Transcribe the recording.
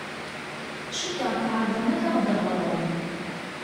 Cukkeɣ tɛerḍem ad ɣ-d-teɣṛem.